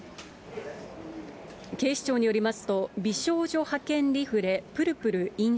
警視庁によりますと、美少女派遣リフレプルプルイン